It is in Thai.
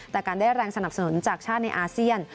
แต่การได้แรงสนับสนุนจากชาติในอาเซียน